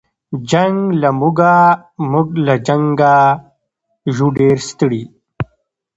جنګ له موږه موږ له جنګه یو ډېر ستړي